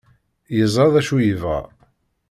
Yeẓra d acu yebɣa.